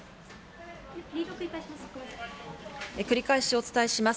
繰り返しお伝えします。